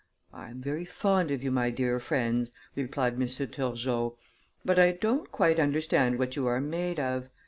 "I am very fond of you," my dear friends," replied M. Turgot, "but I don't quite understand what you are made of.